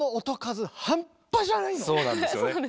そうなんですよね。ね？